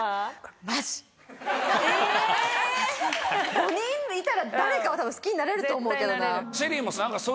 ５人いたら誰かは多分好きになれると思うけどな。